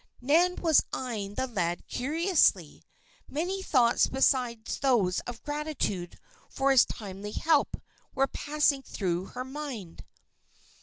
Nan was eyeing the lad curiously. Many thoughts beside those of gratitude for his timely help, were passing through her mind.